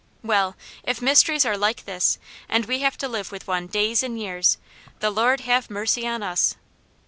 Well, if mysteries are like this, and we have to live with one days and years, the Lord have mercy on us!